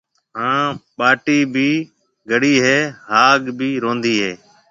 هانَ ٻاٽيَ ڀِي گڙيَ هيَ۔ هاگ ڀِي روندهيََ هيَ۔